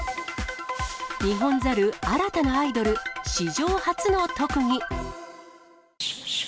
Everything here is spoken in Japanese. ニホンザル、新たなアイドル、史上初の特技。